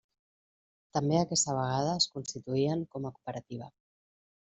També aquesta vegada es constituïen com a cooperativa.